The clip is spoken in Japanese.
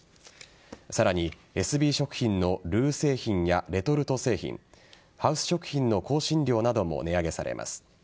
さらにエスビー食品のルー製品やレトルト製品ハウス食品の香辛料なども値上げされます。